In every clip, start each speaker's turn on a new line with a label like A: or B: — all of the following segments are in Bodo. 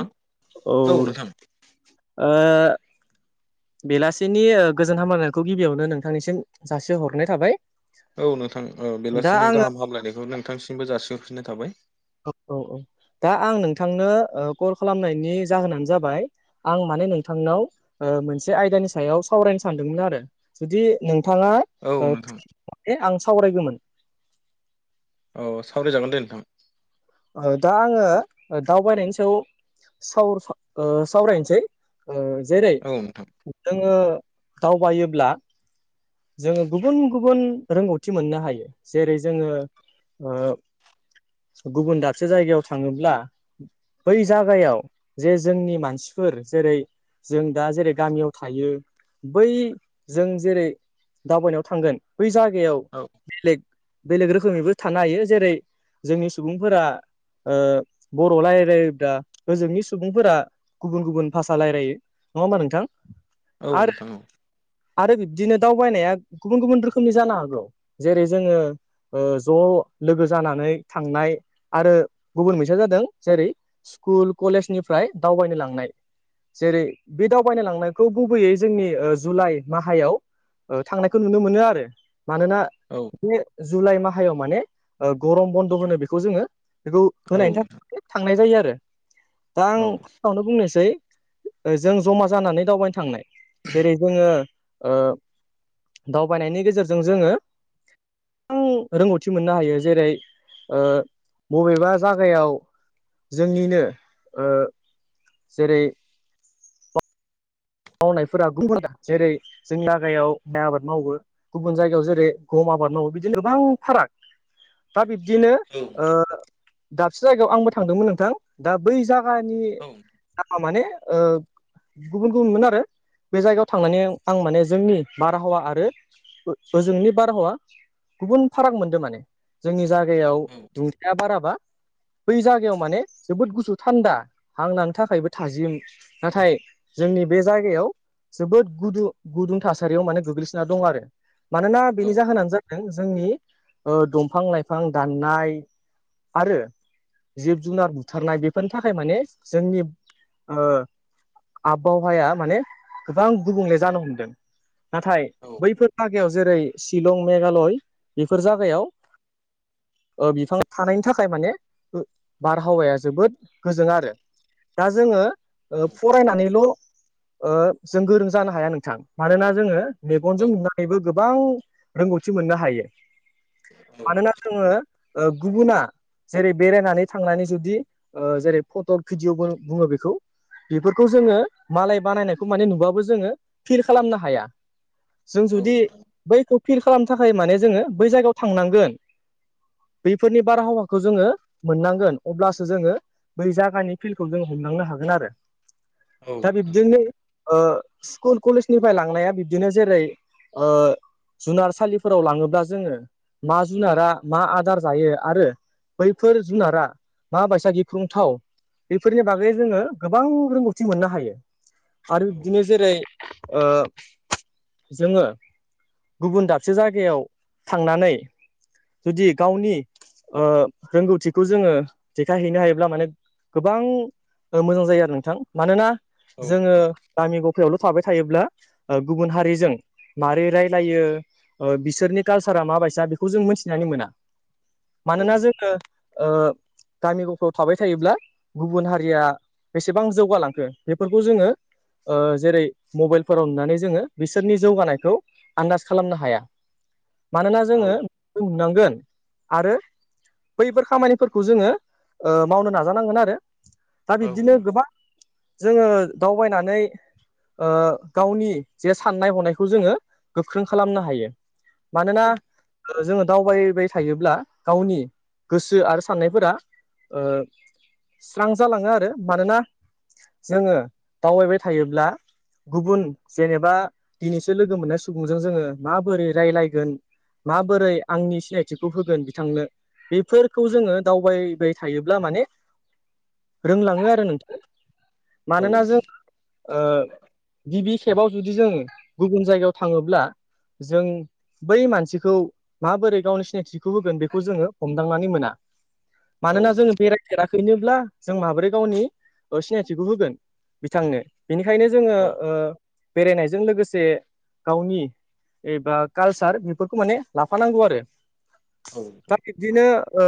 A: औ नोंथां
B: ओ बेलासिनि गोजोन हामायनायखौ गिबियावनो नोंथांनिसिम जासे हरनाय थाबाय।
A: औ नोंथां औ
B: दा
A: बेलासिनि
B: आङो
A: गाहाम हामलायनायखौ नोंथांसिमबो जासिहरफिननाय थाबाय।
B: औ औ औ दा आं नोंथांनो ओ कल खालामनायनि जाहोनानो जाबाय आं माने नोंथांनाव ओ मोनसे आयदानि सायाव सावरायनो सानदोंमोन आरो जुदि नोंथाङा
A: औ नोंथां
B: [inaudible] आं सावरायगौमोन
A: औ सावरायजागोन दे नोंथां।
B: ओ दा आङो दावबायनायनि सायाव सावर ओ सावरायनोसै ओ जेरै
A: औ नोंथां
B: जोङो दावबायोब्ला जोङो गुबुन गुबुन रोंगौथि मोननो हायो जेरै जोङो ओ गुबुन दाबसे जायगायाव थाङोब्ला बै जागायाव जे जोंनि मानसिफोर जेरै जों दा जेरै गामियाव थायो बै जों जेरै दावबायनायाव थांगोन बै जायगायाव
A: औ
B: बेलेग बेलेग रोखोमैबो थानो हायो जेरै जोंनि सुबुंफोरा ओ बर' राय्लायोबब्ला ओजोंनि सुबुंफोरा गुबुन गुबुन भाषा रायलायो नङा होमबा नोंथां।
A: औ
B: आरो
A: नोंथां उम
B: आरो बिब्दिनो दावबायनाया गुबुन गुबुन रोखोमनि जानो हागौ जेरै जोङो ओ ज' लोगो जानानै थांनाय आरो गुबुन मोनसेया जादों जेरै स्कुल कलेजनिफ्राय दावबायनो लांनाय जेरै बे दावबायनो लांनायखौ गुबैयै जोंनि ओ जुलाइ माहायाव ओ थांनायखौ नुनो मोनो आरो मानोना
A: औ।
B: बे जुलाइ माहायाव माने ओ गरम बन्द' होनो बेखौ जोङो बेखौ
A: औ
B: होनायनि था थांनाय जायो आरो दा आं
A: औ नोंथां
B: फार्स्टआवनो बुंनोसै जों जमा जानानै दावबायनो थांनाय जेरै जोङो ओ दावबायनायनि गेजेरजों जोङो बां रोंगौथि मोननो हायो जेरै ओ बबेबा जागायाव जोंनिनो ओ जेरै मावनायफोरा [inaudible] जेरै जोंनि जागायाव माइ आबाद मावो। गुबुन जायगायाव जेरै गम आबाद मावो बिदिनो गोबां फाराग। दा बिब्दिनो ओ दाबसे जायगायाव आंबो थांदोंमोन नोंथां दा बै जा गानि
A: औ
B: नामा माने ओ गुबुन गुबुनमोन आ रो बे जायगायाव थांनानै आं माने जोंनि बारहावा आरो ओजोंनि बारहावा गुबुन फाराग मोनदों माने जोंनि जा गायाव
A: नोंथां
B: दुंथाया बाराबा बै जागायाव माने जोबोद गुसु थान्दा हां लानो थाखायबो थाजिम। नाथाय जोंनि बे जायगायाव जोबोद गुदु गुदुं थासारियाव माने गोग्लैसोना दं आरो मानोना
A: औ
B: बेनि जाहोनानो जादों जोंनि ओ दंफां लाइफां दाननाय। आरो जिब जुनार बुथारनाय बेफोरनि थाखाय माने जोंनि ओ आबबावहाया माने गोबां गुबुंले जानो हमदों नाथाय
A: औ
B: बैफोर जागायाव जेरै शिलं मेघालय बेफोर जागायाव ओ बिफां थानायनि थाखाय माने बारहावाया जोबोद गोजों आरो दा जोङो ओ फरायनानैल' ओ जों गोरों जानो हाया नोंथां मानोना जोङो मेगनजों नुनानैबो गोबां रोंगौथि मोननो हायो मानोना जोङो ओ गुबुना जेरै बेरायनानै थांनानै जुदि ओ जेरै फट'क भिडिअ'बो बुङो बेखौ। बेफोरखौ जोङो। मालाय बानायनायखौ माने नुबाबो जोङो फिल खालामनो हाया जों
A: औ
B: जुदि
A: नोंथां
B: बैखौ फिल खालामनो थाखाय माने जोङो बै जायगायाव थांनांगोन। बैफोरनि बारहावाखौ जोङो मोननांगोन अब्लासो जोङो। बै जायगानि फिल्डखौ जों हमलांनो हागोन आरो। दा बिब्दिनो ओ स्कुल कलेजनिफ्राय लांनाया बिब्दिनो जेरै ओ जुनारसालिफोराव लाङोब्ला जोङो मा जुनारा मा आदार जायो आरो बैफोर जुनारा मा बायसा गिख्रुंथाव बेफोरनि बागै जोङो गोबां रोंगौथि मोननो हायो आरो बिदिनो जेरै ओ जोङो गुबुन दाबसे जायगायाव थांनानै जुदि गावनि ओ रोंगौथिखौ जोङो देखायहैनो हायोब्ला माने गोबां मोजां जायो आरो नोंथां मानोना जोङो गामि गफायावल' थाबाय थायोब्ला ओ गुबुन हारिजों मारै रायलायो ओ बिसोरनि काल्सारा माबायसा बेखौ जों मिथिनानै मोना। मानोना जोङो ओ गामि गफाव थाबाय थायोब्ला गुबुन हारिया बेसेबां जौगालांखो बेफोरखौ जोङो ओ जेरै मबाइलफोराव नुनानै जोङो बिसोरनि जौगानायखौ आन्दाज खालामनो हाया। मानोना जोङो बेखौ नुनांगोन आरो बैफोर खामानिफोरखौ जोङो ओ मावनो नाजानांगोन आरो दा
A: औ नोंथां
B: बिब्दिनो गोबां जोङो दावबायनानै ओ गावनि जे साननाय हनायखौ जोङो गोख्रों खालामनो हायो। मानोना
A: औ
B: जोङो दावबाय बाय थायोब्ला गावनि गोसो आरो साननायफोरा ओ स्रां जालाङो आरो मानोना जोङो दावबायबाय थायोब्ला गुबुन जेनेबा दिनैसो लोगो मोननाय सुबुंजों जोङो माबोरै रायलायगोन माबोरै आंनि सिनायथिखौ होगोन बिथांनो बेफोरखौ जोङो दावबायबाय थायोब्ला माने रोंलाङो आरो नोंथां।
A: औ
B: मानोना जों ओ गिबि खेबाव जुदि जों गुबुन जायगायाव थाङोब्ला जों बै मानसिखौ माबोरै गावनि सिनायथिखौ होगोन बेखौ जोङो हमदांनानै मोना। मानोना जोङो बेरायफेराखैनोब्ला जों माबोरै गावनि सिनाय थिखौ होगोन बिथांनो बिनिखायनो जोङो
A: औ
B: ओ बेरायनायजों लोगोसे गावनि एबा कालसार बेफोरखौ माने लाफानांगौ आरो दा
A: औ
B: बे बिदिनो ओ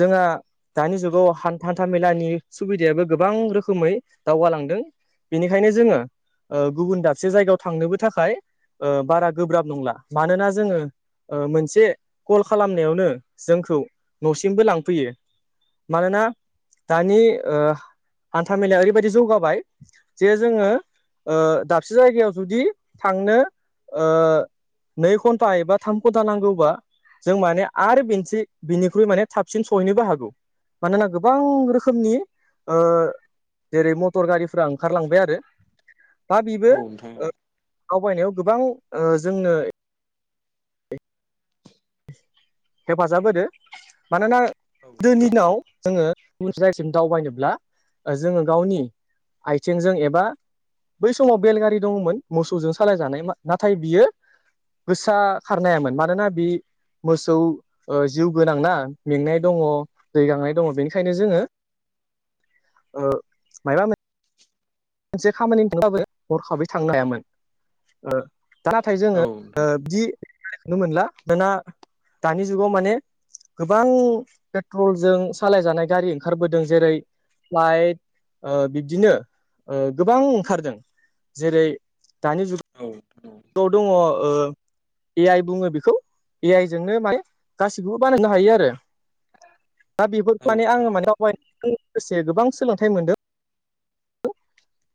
B: जोंहा दानि जुगाव हान-हान्था मेलानि सुबिदायाबो गोबां रोखो रोखोमै दावगालांदों बेनिखायनो जोङो ओ गुबुन दाबसे जायगायाव थांनोबो थाखाय ओ बारा गोब्राब नंला मानोना जोङो ओ मोनसे कल खालामनायावनो जोंखौ न'सिमबो लांफैयो। मानोना दानि ओ हान्था मेलाया ओरैबायदि जौगाबाय। जे जोङो ओ दाबसे जायगायाव जुदि थांनो ओ नै घन्टा एबा थाम घन्टा नांगौबा जों माने आरो बेनोसै बिनिख्रुइ माने थाबसिन सहैनोबो हागौ। मानोना गोबां रोखोमनि ओ जेरै मटर गारिफ्रा ओंखारलांबाय आरो दा
A: औ
B: बेबो
A: नोंथां
B: ओ दावबायनायाव गोबां ओ जोंनो हेफाजाब होदो मानोना
A: औ
B: दिनिनाव जोङो गुबन से जायसिम दावबायनोब्ला जोङो गावनि आथिंजों एबा बै समाव बेलगारि दङमोन मोसौजों सालायजानाय मा नाथाय बियो गोसा खारनो हायामोन मानोना बि थ' ओ जिउ गोनांना मेंनाय दङ दै गांनाय दङ बेनिखायनो जोङो ओ माइबा मोन से खामानि [inaudible] बो हरखाबै थांनो हायामोन। ओ दा नाथाय जोङो ओ
A: नोंथां
B: बिदि नुनो मोनला दाना दानि जुगाव माने गोबां पेट्रलजों सालायजानाय गारि ओंखारबोदों जेरै फ्लाइट ओ बिबदिनो ओ गोबां ओंखारदों जेरै दानि जुग
A: औ औ।
B: गाव दङ ओ ए आइ बुङो बेखौ ए आइ जोंनो माने गासिखौबो बानायनो हायो आरो। दा
A: औ
B: बेफोरखौ माने आङो माने
A: नोंथां
B: दावबायनायजों लोगोसे गोबां सोलोंथाइ मोनदों।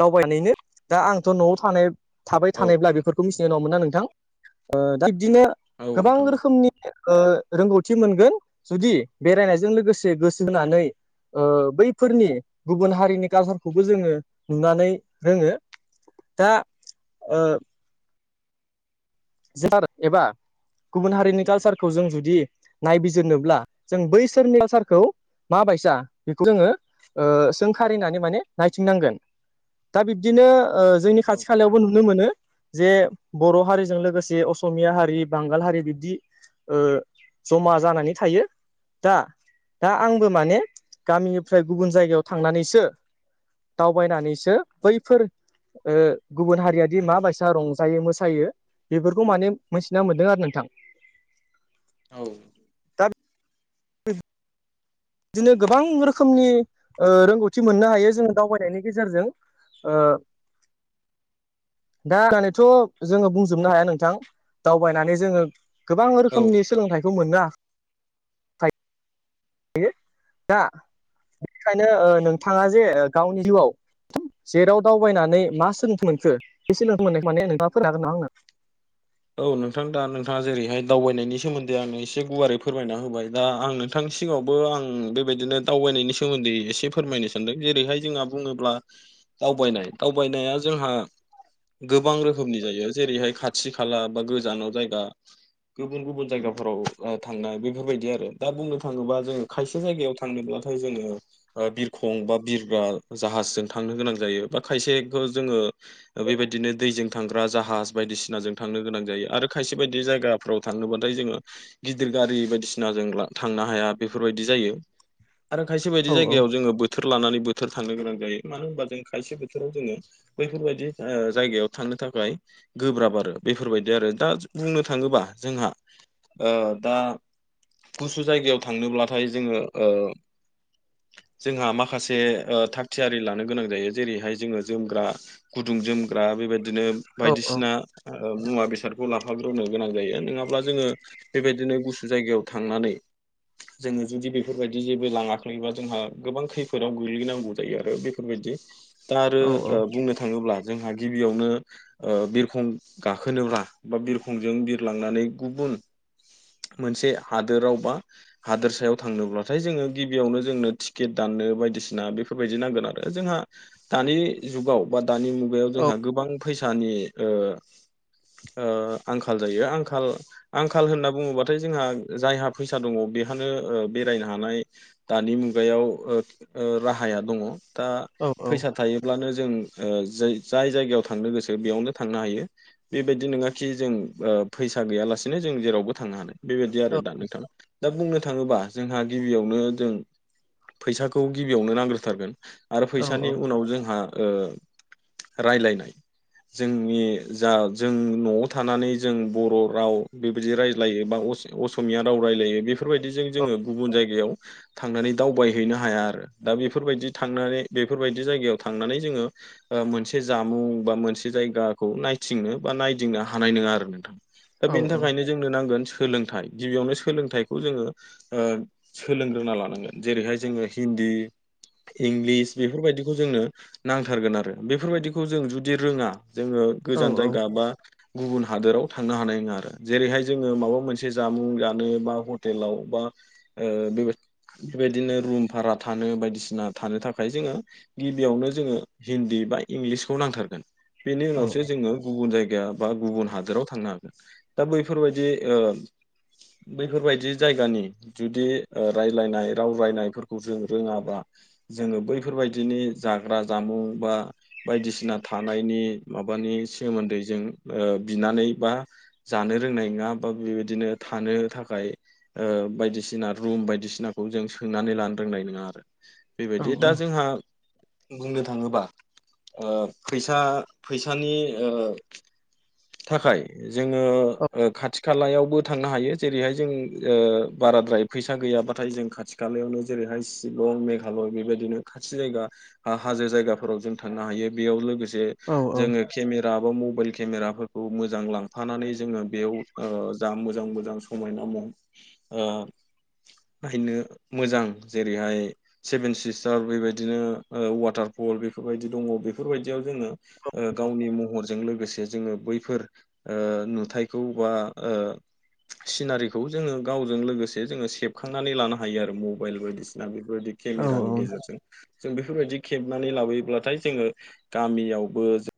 B: दावबायनानैनो दा आंथ' न'आव थानाय थाबाय
A: औ नोंथां औ नोंथां औ
B: थानायब्ला बेफोर खौ मिथिनाय नङामोन ना नोंथां ओ दा बिबदिनो
A: औ
B: गोबां
A: नोंथां औ नोंथां
B: रोखोमनि ओ रोंगौथि मोनगोन जुदि बेरायनायजों लोगोसे गोसो होनानै ओ बैफोरनि गुबुन हारिनि कालसारखौबो जोङो नुनानै रोङो दा ओ ज सार एबा गुबुन हारिनि कालसारखौ जों जुदि नायबिजिरनोब्ला जों बैसोरनि कालसारखौ मा बायसा बेखौ जोङो ओ सोंखारिनानै माने नायथिंनांगोन। दा बिब्दिनो ओ जोंनि
A: औ
B: खाथि खालायावबो नुनो मोनो जे बर' हारिजों लोगो से असमिया हारि, बांगाल हारि बिब्दि ओ जमा जानानै थायो। दा दा आंबो माने गामिनिफ्राय गुबुन जायगायाव थांनानैसो दावबायनानैसो बैफोर गुबुन हारियादि मा बायसा रंजायो मोसायो बेफोरखौ माने मोनथिना मोन्दों आरो नोंथां।
A: औ
B: दा बिदिनो गोबां रोखोमनि ओ रोंगौथि मोननो हायो जों दावबायनायनि गेजेरजों। ओ दा होननानैथ' जोङो बुंजोबनो हाया नोंथां दावबायनानै जोङो गोबां रोखोमनि
A: नोंथां
B: सोलोंथाइखौ मोननो हायो दा बेनिखायनो ओ नोंथाङा जे ओ गावनि जिउआव जेराव दावबायनानै मा सोलोंथाइ मोनखो बे सोलोंथाइ मोननायखौ माने नोंथाङा फोरमाय हागोनना आंनो?
A: औ नोंथां दा नोंथाङा जेरैहाय दावबायनायनि सोमोन्दै आंनो एसे गुवारै फोरमायना होबाय दा आं नों थांनि सिगाङावबो आं बेबायदिनो दावबायनायनि सोमोन्दै एसे फोरमायनो सानदों जेरैहाय जोंहा बुङोब्ला दावबायनाय दावबायनाया जोंहा गोबां रोखोमनि जायो जेरैहाय खाथि खा खाला बा गोजानाव जायगा गुबुन गुबुन जायगाफोराव ओ थांना बेफोरबायदि आरो दा बुंनो थाङोबा जोङो खायसे जायगायाव थांनोब्लाथाय जोङो ओ बिरखं बा बिरग्रा जाहाजजों थांनो गोनां जायो बा खायसेखौ जोङो ओ बेबायदिनो दैजों थांग्रा जाहाज बायदिसिनाजों थांनो गोनां जायो आरो खायसे बायदि जायगाफ्राव थांनोबाथाय जोङो गिदिर गारि बायदिसिनाजों ला थांनो हाया बेफोरबायदि जायो। आरो खायसे बायदि
B: औ
A: जायगायाव जोङो बोथोर लानानै बोथोर थांनो गोनां जायो मानो होनबा जों खायसे बोथोराव जोङो बैफोरबायदि ओ जायगायाव थांनो थाखाय गोब्राब आरो। बेफोरबायदि आरो दा बुंनो थाङोबा जोंहा ओ दा गुसु जायगायाव थांनोब्लाथाय जोङो ओ जोंहा माखासे ओ थाग थियारि लानो गोनां जायो जेरैहाय जोङो जोमग्रा गुद गुदुं जोमग्रा बेबायदिनो
B: औ
A: बायदिसिना मुवा बेसादखौ लाफाग्रोनो गोनां जायो नोङाब्ला जोङो बेबायदिनो गुसु जायगायाव थांनानै जोङो जुदि बेफोरबायदि जेबो लाङाखैबा जोंहा गोबां खैफोदाव गोग्लैनांगौ जायो आरो बे बेफोरबायदि दा आरो बुंनो थाङोब्ला जोंहा गिबियावनो बिरखं गाखोनोब्ला बा बिरखंजों बिरलांनानै गुबुन मोनसे हादोराव बा हादोरसायाव थांनोब्लाथाय जोङो गिबियावनो जोंनो टिकेट दाननो बायदिसिना बेफोरबायदि नांगोन आरो जोंहा दानि जुगाव बा दानि मुगायाव
B: औ
A: जोंहा गोबां फैसानि आंखाल जायो आंखाल आंखाल होनना बुङोबाथाय जोंहा जायहा फैसा दङ बेहानो बेरायनो हानाय दानि मुगायाव राहाया दङ दा
B: औ
A: फैसा थायोब्लानो जों जाय-जायगायाव थांनो गोसो बेयावनो थांनो हायो। बेबायदि नङााखि जों फैसा गैयालासेनो जों जेरावबो थांनो हानो। बेबायदि आरो दा नोंथां दा बुंनो थाङोबा जोंहा गिबियावनो जों फैसाखौ गिबियावनो नांग्रोथारगोन आरो
B: औ
A: फैसानि उनाव जोंहा रायलायनाय जोंनि जा जों न'आव थानानै जों बर' राव बेबायदि रायज्लायो बा अस-अस मिया राव रायलायो बेफोर बायदिजों जोंङो गुबुन जायगायाव थांनानै दावबायहैनो हाया आरो दा बेफोरबायदि थांनानै बेफोरबायदि जायगायाव थांनानै जोंङो मोनसे जामुं बा मोनसे जायगाखौ नाय थिंनो बा नायदिंनो हानाय नंङा आरो नोंथां दा
B: औ
A: बेनि थाखायनो जोंनो नांगोन सोलोंथाइ गिबियावनो सोलोंथाइखौ जोंङो सोलोंग्रोना लानांगोन जेरैहाय जोंङो हिन्दी इंलिस बेफोरबायदिखौ जोंनो नांथारगोन आरो बेफोर बायदिखौ जों जुदि रोङा जोंङो गोजान जायगा बा गुबुन हादोराव थांनो हानाय नङा आरो जेरैहाय जोंङो माबा मोनसे जामुं जानो बा हटेलाव बा बे बेबाय-बे बायदिदिनो रुम भारा थानो बायदिसिना थानो थाखाय जोंङो गिबियावनो जोंङो हिन्दी बा इंलिसखौ नांथारगोन बेनि उनाव
B: औ
A: जोंङो गुबुन जायगा बा गुबुन हादोराव थांनो हागोन दा बैफोरबायदि बैफोरबायदि जायगानि जुदि रायलायनाय राव रायनायफोरखौ जों रोङाबा जोंङो बैफोरबायदिनि जाग्रा जामुं बा बायदिसिना थानायनि माबानि सोमोन्दै जों बिनानै बा जानो रोंनाय नोङा बा बेबायदिनो थानो थाखाय बायदिसिना रुम बायदिसिनाखौ जों सोंनानै लानो रोंनाय नोङा आरो। बेबायदि दा जोंहा बुंनो थाङोबा फैसा फैसानि थाखाय जोंङो खाथि खालायावबो थांनो हायो जेरैहाय जों बाराद्राय फैसा गैयाबाथाय जों खाथि खालायावनो जेरैहाय शिलं मेघालय बेबायदिनो खाथि जायगा हाजो जायगाफोराव जों थांनो हायो बेयाव लोगोसे
B: औ औ
A: जोङो केमेरा बा मबाइल केमेराफोरखौ मोजां लांफानानै जोंङो बेयाव जा मोजां मोजां समायना म नायनो मोजां जेरैहाय सेभेन सिस्टार बेबायदिनो वाटारफल बेफोरबायदि दङ बेफोरबायदियाव जोंङो गावनि महरजों लोगोसे जोंङो बैफोर नुथायखौ बा सिनारिखौ जोंङो गावजों लोगोसे जोंङो सेबखांनानै लानो हायो आरो मबेल बायदि। बायदिसिना बेफोरबायदि केमेरानि
B: औ औ
A: गेजेरजों। जों बेफोर बायदि खेबनानै लाबोयोब्लाथाय जोंङो गामियावबो